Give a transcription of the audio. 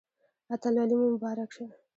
اتلولي مو مبارک شه